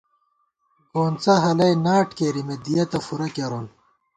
گونڅہ ہَلَئ ناٹ کېرِمېت ، دِیَتہ فُورہ کېرون